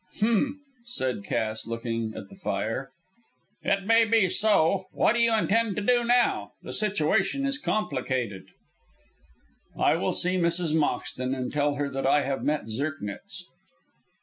"Humph!" said Cass, looking at the fire. "It might be so. What do you intend to do now? The situation is complicated." "I will see Mrs. Moxton and tell her that I have met Zirknitz."